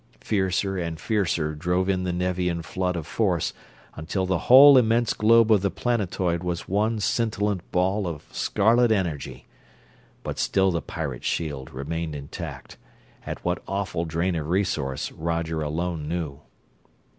Fiercer and fiercer drove in the Nevian flood of force until the whole immense globe of the planetoid was one scintillant ball of scarlet energy, but still the pirates' shield remained intact at what awful drain of resource, Roger alone knew.